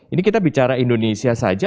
ini kita bicara indonesia saja